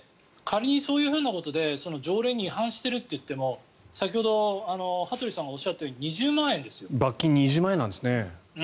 仮にそういうことで条例に違反しているといっても先ほど羽鳥さんがおっしゃったように罰金２０万円なんですね。